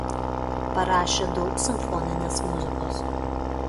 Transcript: Parašė daug simfoninės muzikos.